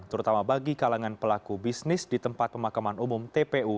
terutama bagi kalangan pelaku bisnis di tempat pemakaman umum tpu